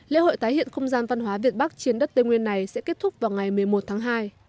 lễ hội tái hiện không gian văn hóa việt bắc trên đất tây nguyên này sẽ kết thúc vào ngày một mươi một tháng hai